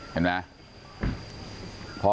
เห็นมั้ย